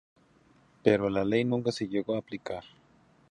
Pero la ley nunca se llegó a aplicar.